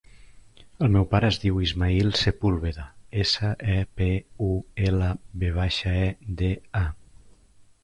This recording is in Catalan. El meu pare es diu Ismaïl Sepulveda: essa, e, pe, u, ela, ve baixa, e, de, a.